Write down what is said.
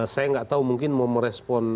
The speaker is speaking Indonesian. saya nggak tahu mungkin mau merespon